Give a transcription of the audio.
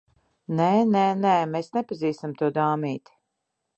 Nē, nē, nē. Mēs nepazīstam to dāmīti.